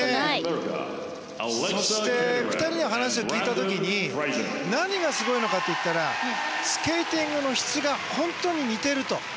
そして２人の話を聞いたときに何がすごいのか聞いたらスケーティングの質が本当に似ていると。